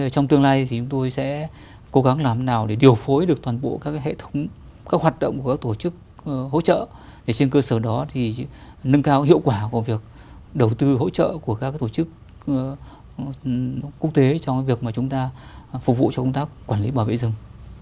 trong tương lai thì chúng tôi sẽ cố gắng làm nào để điều phối được toàn bộ các hệ thống các hoạt động của các tổ chức hỗ trợ để trên cơ sở đó thì nâng cao hiệu quả của việc đầu tư hỗ trợ của các tổ chức quốc tế cho việc mà chúng ta phục vụ cho công tác quản lý bảo vệ rừng